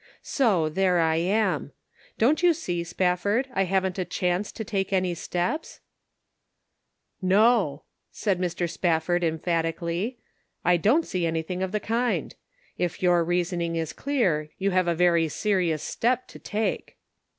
So there I am. Don't you 400 The Pocket Measure. see, Spafford, I havn't a chance to take any steps ?" "No," said Mr. Spafford, emphatically, "I don't see anything of the kind ; if your reason ing is clear, you have a very serious step to take."